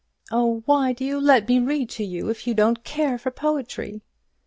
"Oh, why do you let me read to you, if you don't care for the poetry?"